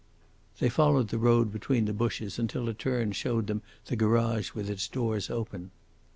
They followed the road between the bushes until a turn showed them the garage with its doors open.